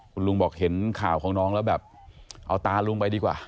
คุณลุงบอกเห็นข่าวของน้องแล้วแบบเอาตาลุงไปดีกว่า